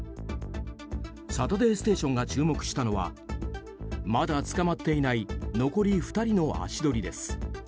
「サタデーステーション」が注目したのはまだ捕まっていない残り２人の足取りです。